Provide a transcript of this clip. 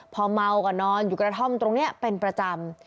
พอเมาก็นอนอยู่กระท่อมตรงนี้เป็นประจำ